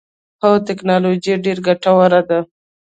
هو، تکنالوجی ډیره ګټوره ده